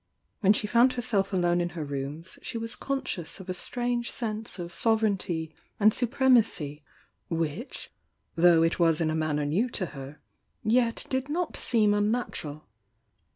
When die found herself alone in her rooms she was con scious of a strange sense of sovereignty and suprem acy which, though it was in a manner new to her, yet did not seem unnatural.